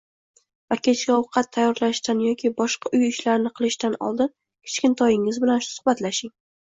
va kechki ovqat tayyorlashdan yoki boshqa uy ishlarini qilishdan oldin kichkintoyingiz bilan suhbatlashing.